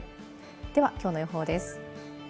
では、きょうの予報です。